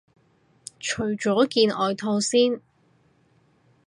除咗件外套先